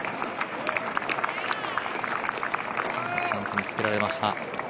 チャンスにつけられました。